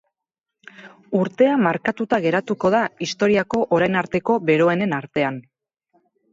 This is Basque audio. Urtea markatuta geratuko da historiako orain arteko beroenen artean.